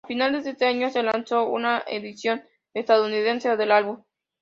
A finales de ese año, se lanzó una edición estadounidense del álbum.